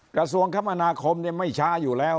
กระทรวงคมนาคมไม่ช้าอยู่แล้ว